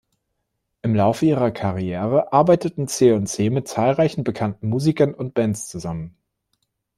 Im Laufe ihrer Karriere arbeiteten C&C mit zahlreichen bekannten Musikern und Bands zusammen.